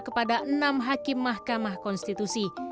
kepada enam hakim mahkamah konstitusi